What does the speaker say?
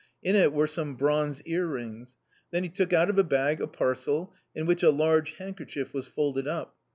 In it were some bronze earrings. Then he took out of a bag a parcel, in which a large handker chief was folded up.